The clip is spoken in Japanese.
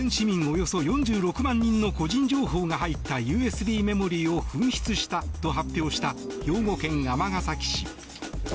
およそ４６万人の個人情報が入ったＵＳＢメモリーを紛失したと発表した兵庫県尼崎市。